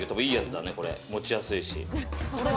持ちやすいし。